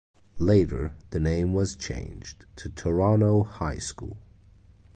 Later the name was changed to Toronto High School.